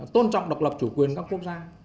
tôn trọng độc lập chủ quyền các quốc gia